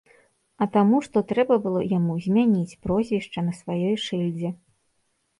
А таму, што трэба было яму змяніць прозвішча на сваёй шыльдзе.